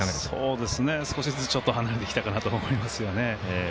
少しずつ離れてきた感じありますね。